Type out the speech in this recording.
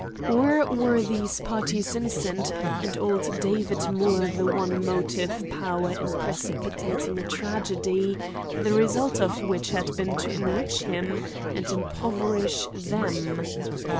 Or were these parties innocent and old David Moore the one motive power in precipitating a tragedy, the result of which had been to enrich him and impoverish them?